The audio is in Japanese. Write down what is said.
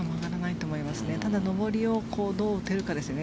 ただ、上りをどう打てるかですね。